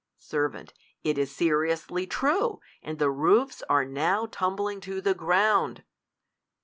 Ser, It is seriously true ! and the roofs are now tumbling to the ground